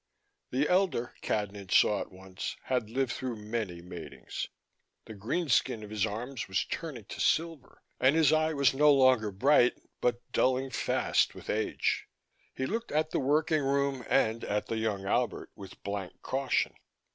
The elder, Cadnan saw at once, had lived through many matings: the green skin of his arms was turning to silver, and his eye was no longer bright, but dulling fast with age. He looked at the working room and at the young Albert with blank caution.